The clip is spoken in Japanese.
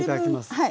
はい。